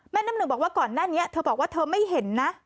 น้ำหนึ่งบอกว่าก่อนหน้านี้เธอบอกว่าเธอไม่เห็นนะ